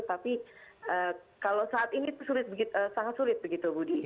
tapi kalau saat ini sangat sulit begitu budi